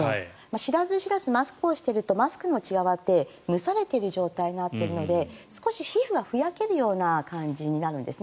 知らず知らずマスクをしているとマスクの内側は蒸されている状態になるので少し皮膚がふやける感じになるんですね。